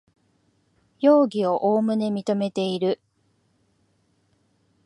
容疑をおおむね認めている